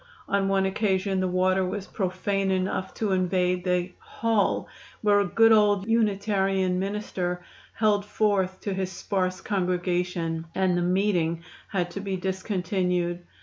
On one occasion the water was profane enough to invade the "Hall" where a good old Unitarian minister held forth to his sparse congregation, and the "meeting" had to be discontinued.